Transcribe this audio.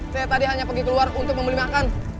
saya tadi hanya pergi keluar untuk membeli makan